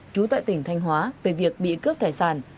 trú tại tỉnh thanh hóa về việc bị cướp tài sản